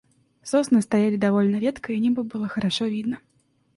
Сосны стояли довольно редко и небо было хорошо видно.